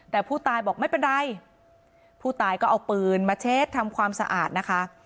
แต่ผู้ตายบอกไม่เป็นไรผู้ตายก็เอาปืนมาเช็ดทำความสะอาดนะคะ